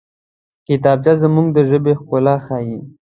کتابچه زموږ د ژبې ښکلا ښيي